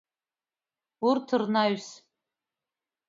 Урҭ рнаҩс…